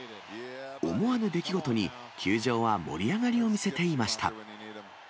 思わぬ出来事に、球場は盛り上がりを見せていました。